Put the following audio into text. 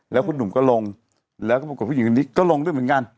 แล้วคุณหนุ่มก็ลงแล้วก็ปรากฏผู้หญิงคนนี้ก็ลงด้วยเหมือนกัน